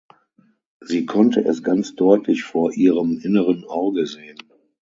Sie konnte es ganz deutlich vor ihrem inneren Auge sehen.